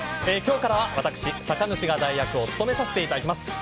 今日から私、酒主が代役を務めさせていただきます。